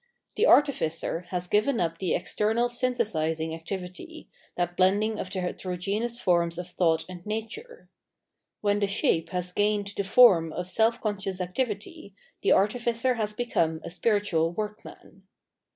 The artificer has given up the external synthesising activity, that blending of the heterogeneous forms of thought and nature. When the shape has gamed the form of self conscious activity, the artificer has become a spiritual workman.